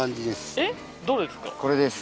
えっどれですか？